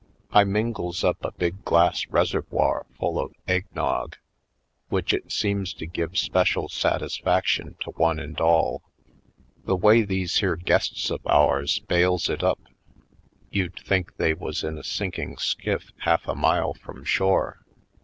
I mingles up a big glass reservoir full of egg nog, which it seems to give 'special satisfaction to one and all. The way these here guests of ours bails it up you'd think they was in a sinking skiff half a mile from shore.